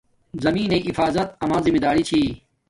زمین نݵ احفاظت اما زمیداری چھی